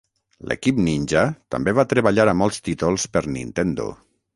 L'equip Ninja també va treballar a molts títols per Nintendo.